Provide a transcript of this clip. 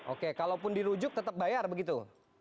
oke kalaupun dirujuk tetap bayar begitu